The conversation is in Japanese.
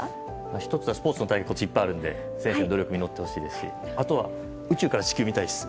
１つはスポーツの大会がいっぱいあるので選手の努力が実ってほしいですしあとは、宇宙から地球を見たいです。